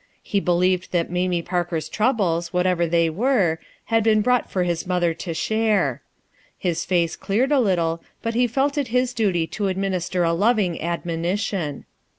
He believed that Mamie Parker's troubles, whatever they were, had been brought for his mother to share. His face cleared a little, but he felt it his duty to adminis ter a loving admonition.